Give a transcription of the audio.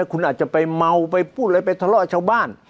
คุณอาจจะไปเมาไปพูดอะไรไปทะเลาะชาวบ้าน